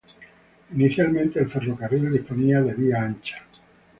Inicialmente, el ferrocarril disponía de vía ancha.